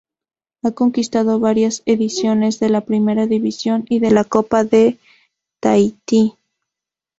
Ha conquistado varias ediciones de la Primera División y la Copa de Tahití.